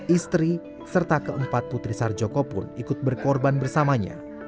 istri serta keempat putri sarjoko pun ikut berkorban bersamanya